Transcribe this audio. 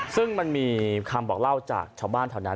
ซึ่งมันมีคำบอกเล่าจากชาวบ้านแถวนั้น